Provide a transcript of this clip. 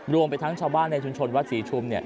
รวมไปทั้งชาวบ้านในชุมชนวัดศรีชุมเนี่ย